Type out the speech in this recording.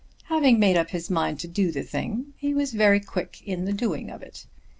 Having made up his mind to do the thing he was very quick in the doing of it.